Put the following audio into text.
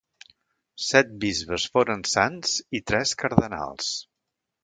Set bisbes foren sants i tres cardenals.